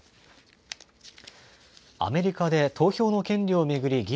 アメリカで投票の権利を巡り